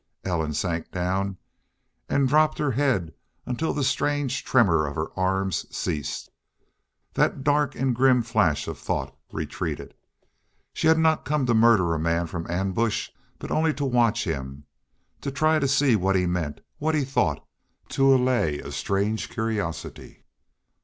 Ellen sank down and dropped her head until the strange tremor of her arms ceased. That dark and grim flash of thought retreated. She had not come to murder a man from ambush, but only to watch him, to try to see what he meant, what he thought, to allay a strange curiosity.